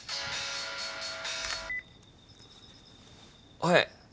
はい。